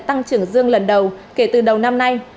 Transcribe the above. tăng trưởng dương lần đầu kể từ đầu năm nay